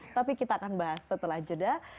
tapi kita akan bahas setelah jeda